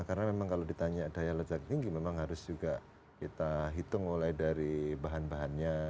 karena memang kalau ditanya daya ledak tinggi memang harus juga kita hitung mulai dari bahan bahannya